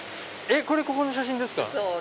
ここの写真ですか